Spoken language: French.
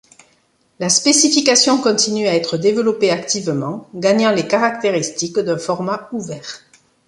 La spécification continue à être développée activement, gagnant les caractéristiques d'un format ouvert.